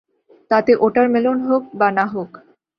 তাতে ওটারমেলন হোক বা না হোক।